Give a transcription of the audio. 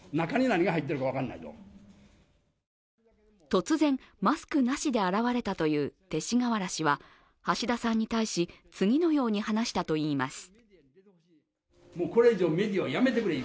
突然、マスクなしで現れたという勅使川原氏は橋田さんに対し、次のように話したといいます。